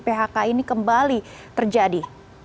phk ini kembali terjadi